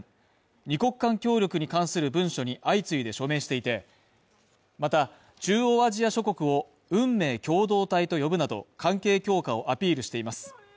二国間協力に関する文書に相次いで署名していて、また、中央アジア諸国を運命共同体と呼ぶなど関係強化をアピールしています。